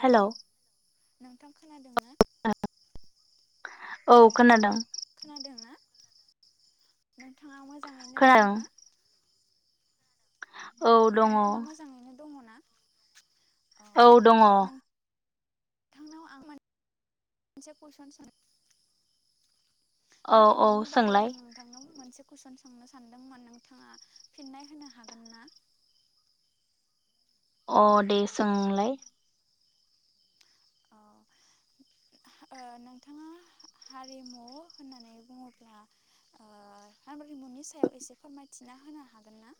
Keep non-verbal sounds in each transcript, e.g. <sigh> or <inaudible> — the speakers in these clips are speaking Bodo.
हेलौ नोंथां खोनादोंना औ खोनादों खोनादों ना नोंथांङा मोजां खोनादों औ दङ नोंथांङा मोजांङैनो दंङ ना? औ दंङ नोंथांनाव आं मोनसे कुइसन सों औ हारिमुनि बागै आं सोंलाय नोंथांनाव मोनसे कुइसन सों सोंनो सानदोंमोन नोंथांङा फिननाय होनो हागोन ना अ दे सोंलाय ओ नोंथांङा हारिमु होननानै बुङोब्ला ओ हारिमुनि सायाव एसे फोरमायथिना होनो हागोन ना?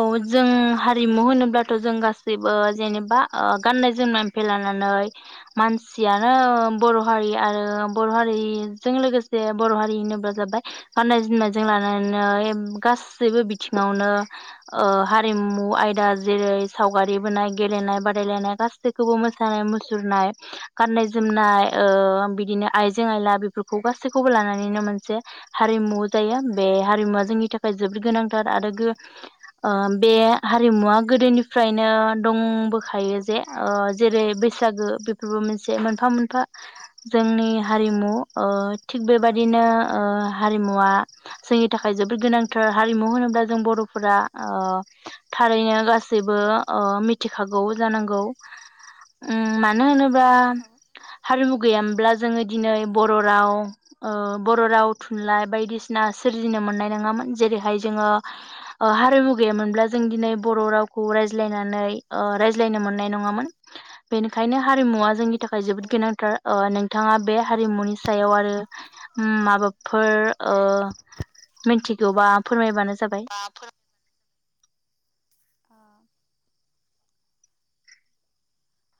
औ जों हारिमु होनोब्लाथ जों गासैबो जेनेबा ओ गाननाय जोमनायनिफ्राय लानानै मानसियानो बर हारि आरो बर हारिजों लोगोसे बर हारि होनोब्ला जाबाय गाननाय जोमनायजों लानानै गासैबो बिथिङावनो ओ हारिमु आयदा जेरै सावगारि बोनाय गेलेनाय बादायलायनाय गासैखौबो मोसानाय मुसुरनाय गाननाय जोमनाय ओ बिदिनो आइजें आयला बेफोरखौ गासैखौबो लानानैनो मोनसे हारिमु जायो बे हारिमुवा जोंनि थाखाय जोबोद गोनांथार आरो ओ बे हारिमुवा गोदोनिफ्रायनो दंबोखायो जे जेरै बैसागो बेफोरबो मोनसे मोनफा मोनफा जोंनि हारिमु ओ थिग बेबादिनो ओ हारिमुवा जोंनि थाखाय जोबोद गोनांथार हारिमु होनोब्ला जों बर' फोरा ओ थारैनो गासैबो मिथिखागौ जानांगौ उम मानो होनोब्ला गा औ हारिमु गैयामब्ला जोङो दिनै बर' राव ओ बर' राव थुनलाइ बायदिसिना सोरजिनो मोननाय नंङामोन जेरैहाय जोंङो ओ हारिमु गैयामोनब्ला जों दिनै बर रावखौ रायज्लायनानै ओ रायज्लायनो मोननाय नंङामोन बेनिखायनो हारिमुवा जोंनि थाखाय जोबोद गोनांथार बिथांङा बे हारिमुनि सायाव आरो माबाफोर ओ मिन्थिगौबा फोरमायबानो जाबाय बा फोर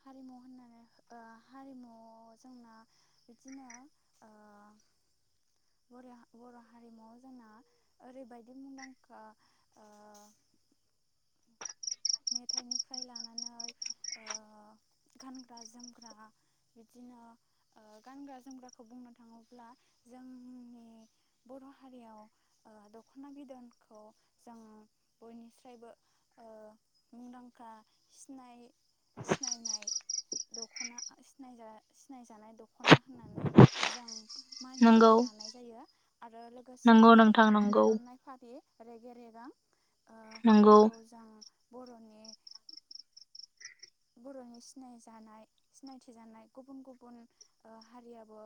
हारिमु होननानै ओ हारिमुआव जोंना बिदिनो ओ बोर बर' हारिमुआव जोंना ओरैबायदि मुंदांखा ओ मेथाइनिफ्राय लानानै ओ गानग्रा जोमग्रा बिदिनो ओ गानग्रा जोमग्राखौ बुंनो थाङोब्ला जोंनि बर हारियाव दखना बिदनखौ जों बयनिस्रायबो ओ मुंदांखा सिना सिनायनाय दखना सिनाय सिनायजानाय दखना होननानै जों नंगौ मानिनानै लानाय जायो आरो नंगौ लोगोसेनो नोंथां नंगौ आरनाइ फालि रेगे रेगां ओ नंगौ बेखौ जों बरनि बरनि सिनायजानाय सिनायथि जानाय गुबुन गुबुन ओ हारियाबो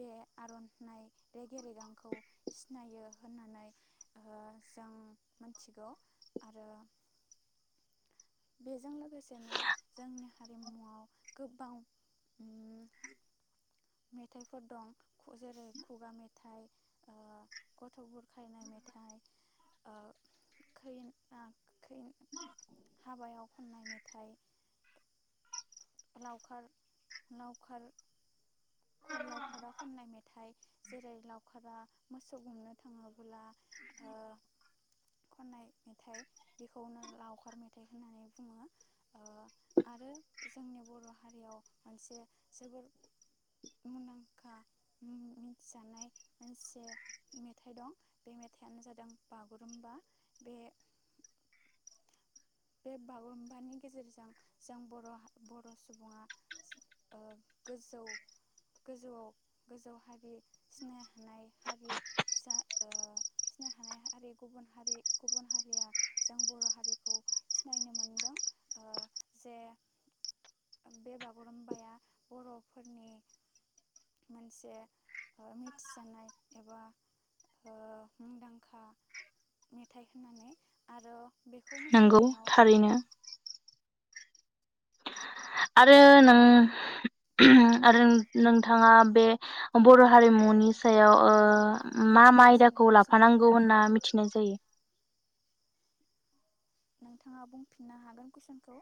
बे आरनाइ रेगे रेगांखौ सिनायो होननानै ओ जों मिथिगौ आरो बेजों लोगोसेनो जोंनि हारिमुआव गोबाव ओम मेथाइफोर दं जेरै खुगा मेथाइ ओ गथ' बुर खायनाय मेथाइ ओ खै ना खैन हाबायाव खननाय मेथाइ लावखार लावखार खनलावखारा खननाय मेथाइ जेरै लावखारा मोसौ गुमनो थाङोब्ला ओ खननाय मेथाइ बेखौनो लावखार मेथाइ होननानै बुङो ओ आरो जोंनि बर' हारियाव मोनसे जोबोर मुनदांखा मिथिजानाय मोनसे मेथाइ दं बे मेथाइयानो जादों बागुरुम्बा बे बे बागुरुम्बानि गेजेरजों जों बर'हा बर' सुबुङा सि ओ गोजौ गोजौआव गोजौ हारि सिनाय हानाय हारि जा ओ सिनाय हानाय हारि गुबुन हारि गुबुन हारिया जों बर' हारिखौ सिनायनो मोनदों ओ जे ओ बे बागुरुम्बाया बर'फोरनि मोनसे ओ मिथिजानाय एबा हो मुंदांखा मेथाइ होननानै आरो बेखौ मोस नंगौ थारैनो आरो नों आरो नों नोंथाङा बे बर' हारिमुनि सायाव खफायाव बिबार ओ लानानै मा मा आयदाखौ मोसानायखौ जों नुयो लाफानांगौ होनना मिथिनाय जायो नोंथाङा बुंफिननो हागोन कुइसनखौ?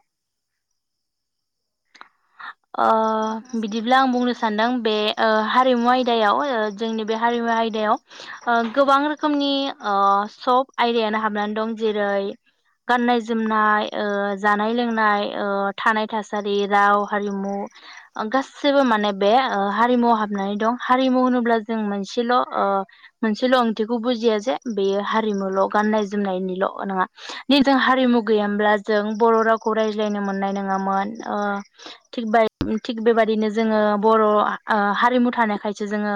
ओ नोंथाङा बिदिब्ला सोंथिखौ आं बुंनो बुंफिननो सानदों हागोन बे ओ हारिमुव आइ आयदायाव जोंनि बे हारिमु आयदायाव ओ गोबां रोखोमनि ओ सब आयदायानो हाबनानै दं जेरै गाननाय जोमनाय ओ जानाय लोंनाय ओ थानाय थासारि राव हारिमु ओगासैबो माने बे ओ हारिमुआव हाबनानै दं हारिमु होनोब्ला जों मोनसेल'ओ मोनसेल' ओंथिखौ बुजिया जे बेयो हारिमुल' गाननाय जोमनायनिल' नङा निजों हारिमु गैयामब्ला जों बर' रावखौ रायज्लायनो मोननाय नङामोन ओ थिग बाय थिग बेबादिनो जोङो बर' हा-हा-हारिमु थानायखायसो जोङो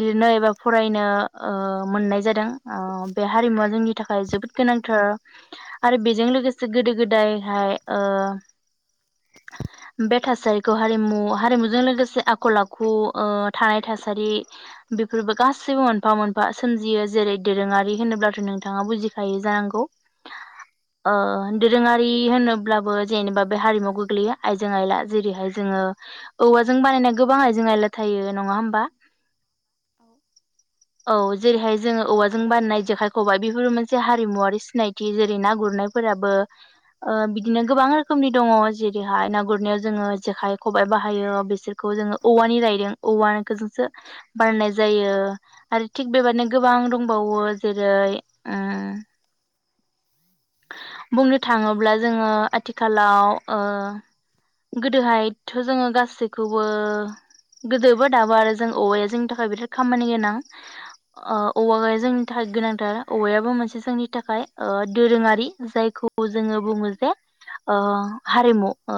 लिरनो एबा फरायनो ओ मोननाय जादों ओ बे हारिमुवा जोंनि थाखाय जोबोद गोनांथार आरो बेजों लोगोसे गोदो गोदायहाय ओ बे थासारिखौ हारिमु हारिमुजों लोगोसे आखल आखु ओ थानाय थासारि बेफोरबो गासैबो मोनफा मोनफा सोमजियो जेरै दोरोङारि होनोब्लाथ' नोंथाङा बुजिखायो जानांगौ ओ औ दोरोङारि होनोब्लाबो जेनेबा बे हारिमुाव गोग्लैया आयजें आइला जेरैहाय जोङो औवाजों बानायनाय गोबां आइजें आयला थायो नङा होमबा औ जेरैहाय जोङो औवाजों बानाय जेखाय, खबायाइ बेफोर मोनसे हारिमुवारि सिनायथि जेरै ना गुरनायफोराबो ओ बिदिनो गोबां रोखोमनि दङ जेरैहाय ना गुरनो। जोङो जेखाय खबाइ बाहायो बिसोरखौ जोङो औवानि रायदों औवाखो जोंसो बारनाय जायो आरो थिग बेबाददिनो गोबां दंबावो जेरै ओम बुंनो थाङोब्ला जोङो आथिखालाव ओ गोदोहायथो जोङो गासैखौबो गोदोबो दाबो आरो जों औवाया जोंनि थाखाय बिराद खामानि गोनां ओ औवा जोंनि थाखाय गोनांथार औवायाबो मोनसे जोंनि थाखाय ओ दोरोङारि जायखौ जोङो बुङो जे ओ हारिमु ओ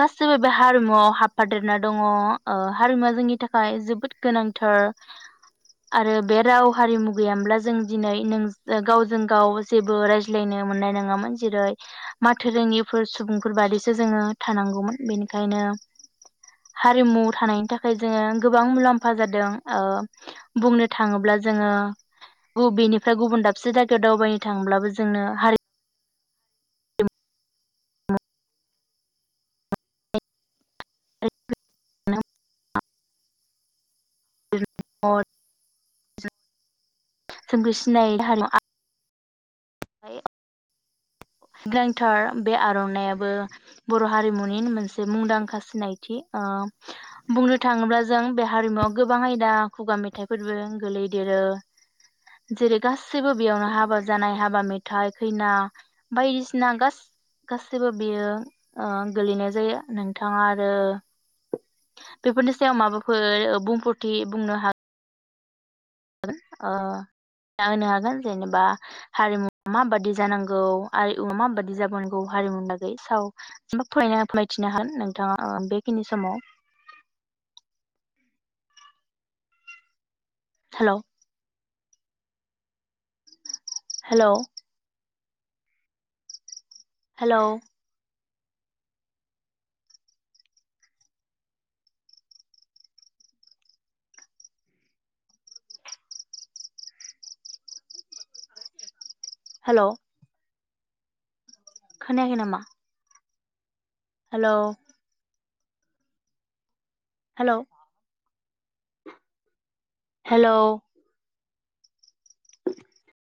गासिबो बे हारिमुआव हाबफादेरना दङ ओ हारिमुवा जोंनि थाखाय जोबोद गोनांथार आरो बे राव हारिमु गैयाम्ला जों दिनै नोंज गावजों गाव जेबो रायज <unintelligible> मोननाय नङामोन जेरै माथो रोंङिफ फोर सुबुंफोर बादिसो औ जोङो थानांगौमोन बेनिखायनो हारिमु थानायनि थाखाय जोङो गोबां मुलाम्फा जादों ओ बुंनो थाङोब्ला जोङो बबेनिफ्राय गुबुन दाबसे जायगायाव दावबायनो थाङोब्लाबो ज जोंनो हारि <unintelligible> <unintelligible> <unintelligible> गांंथार बे आर'नायाबो बर' हारिमुनि मोनसे मुंदांखा सिनायथि ओ बुंनो थाङोब्ला जों बे हारिमुवआव गोबां आयदा खुगा मेथाइफोरबो गोलैदेरो जेरै- गास गासिबो बेयावनो हाबा नोंथाङा जानाय हाबा मेथाइ खैना बायदिसिना गास गासैबो बियो ओ गोलैनाय जायो नोंथाङा आरो बेफोरनि सायाव माबाफोर बुंफोरथि बुंनो हाग हागोन ओ जानो हागोन जेनेबा हारिमु माबादि जानांगौ आरोमु माबादि जाबोनांगौ हारिमुनिलागै साव जेनबा फरायनो फोरमायथिनो हागोन नोंथाङा बेखिनि समाव हेलौ हेल' हेलौ, हेल' खोनायाखै नामा हेल' हेलौ हेलौ, <inaudible>